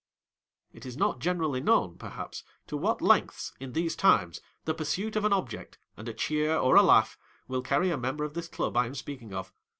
It is not generally known, perhaps, to what lengths, in these times, the pursuit of an object, and a cheer or a laugh, will carry a Member of this Club I am speaking of.